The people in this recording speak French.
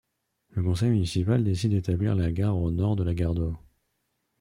Le conseil municipal décide d'établir la gare au nord de la gare d´eau.